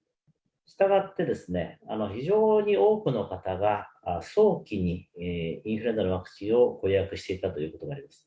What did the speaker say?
したがって、非常に多くの方が早期にインフルエンザのワクチンを予約していたということがあります。